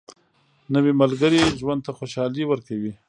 نوې ملګرې ژوند ته خوشالي ورکوي